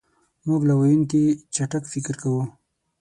مونږ له ویونکي چټک فکر کوو.